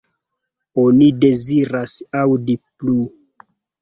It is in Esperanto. Oni deziras aŭdi plu.